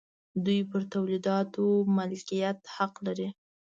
دوی پر تولیداتو مالکیت حق لري.